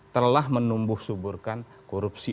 telah menumbuh suburkan korupsi